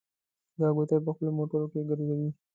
دا کوټې په خپلو موټرو کې ګرځوي.